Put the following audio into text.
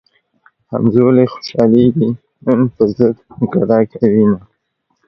همزولي خوشحالېږي نن پۀ ضد ګډا کوينه